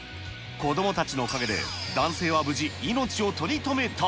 子どもたちのおかげで男性は無事、命を取り留めた。